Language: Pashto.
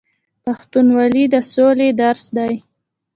پښتونولي د سولې درس دی.